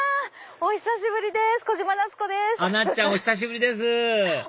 お久しぶりです。